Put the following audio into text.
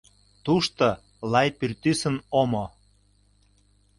Тушто — лай пӱртӱсын омо.